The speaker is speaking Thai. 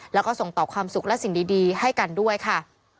แล้วก็ส่งต่อความสุขและสิ่งดีให้กันด้วยค่ะ